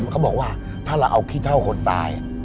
เขาบอกว่าถ้าเราเอาขี้เท่าคนตาย